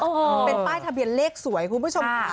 เป็นป้ายทะเบียนเลขสวยคุณผู้ชมค่ะ